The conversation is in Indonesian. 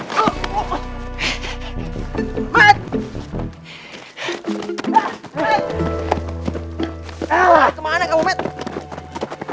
lu lari kemana kamu met